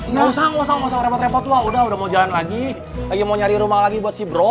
nggak usah repot repot wa udah mau jalan lagi lagi mau nyari rumah lagi buat si bro